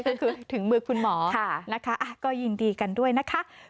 ก็คือถึงมือคุณหมอนะคะก็ยินดีกันด้วยนะคะ